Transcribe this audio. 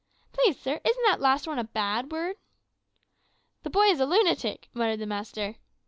Please, sir, isn't that last one a bad word?' "`The boy is a lunatic!' muttered the master.